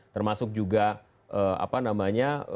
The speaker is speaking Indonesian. termasuk juga apa namanya